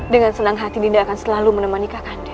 dengan senang hati dinda akan selalu menemani kak kanda